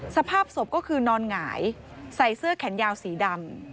สภาพศพก็คือนอนหงายใส่เสื้อแขนยาวสีดำ